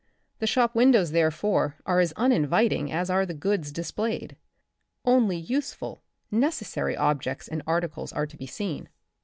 The shop windows, therefore, are as uninviting as are the goods displayed. Only useful, neces sary objects and articles are to be seen.